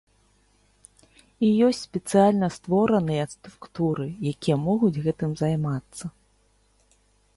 І ёсць спецыяльна створаныя структуры, якія могуць гэтым займацца.